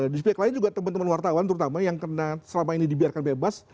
di sepiak lain juga teman teman wartawan terutama yang karena selama ini dibiarkan bebas